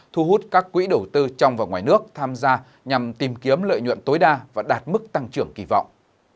thu hút các quỹ đầu tư trong và ngoài nước tham gia nhằm tìm kiếm lợi nhuận tối đa và đạt mức tăng trưởng kỳ vọng